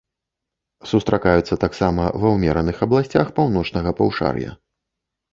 Сустракаюцца таксама ва ўмераных абласцях паўночнага паўшар'я.